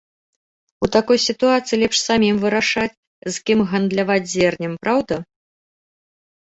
У такой сітуацыі лепш самім вырашаць, з кім гандляваць зернем, праўда?